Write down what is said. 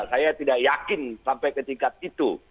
saya tidak yakin sampai ketika itu